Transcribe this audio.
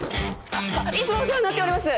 いつもお世話になっております！